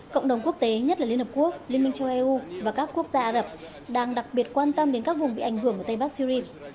cộng đồng quốc tế nhất là liên hợp quốc liên minh châu eu và các quốc gia ả rập đang đặc biệt quan tâm đến các vùng bị ảnh hưởng ở tây bắc syri